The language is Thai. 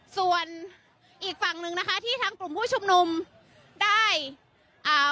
ส่วนอีกฝั่งหนึ่งนะคะที่ทางกลุ่มผู้ชุมนุมได้อ่า